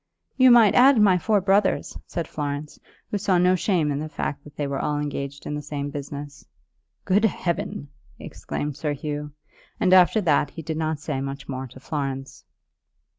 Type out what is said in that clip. "You might add my four brothers," said Florence, who saw no shame in the fact that they were all engaged in the same business. "Good heaven!" exclaimed Sir Hugh, and after that he did not say much more to Florence.